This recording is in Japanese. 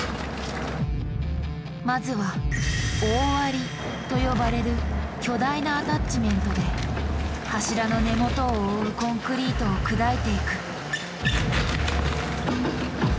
まずは「大割り」と呼ばれる巨大なアタッチメントで柱の根元を覆うコンクリートを砕いていく。